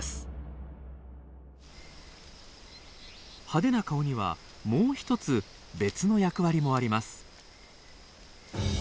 派手な顔にはもう一つ別の役割もあります。